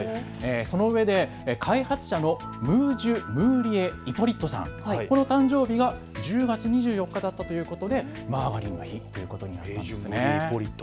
そのうえで開発者のメージュ・ムーリエ・イポリットさんの誕生日、１０月２４日だったということでマーガリンの日になったということです。